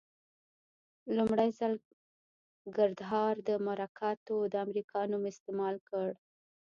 لومړي ځل ګردهارد مرکاتور د امریکا نوم استعمال کړ.